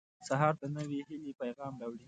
• سهار د نوې هیلې پیغام راوړي.